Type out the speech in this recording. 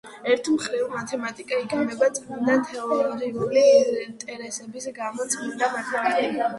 ერთი მხრივ მათემატიკა იქმნება წმინდა თეორიული ინტერესების გამო – წმინდა მათემატიკა.